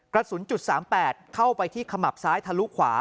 กระสุนจุด๓๘เข้าไปที่ขมับซ้ายทะลุขวา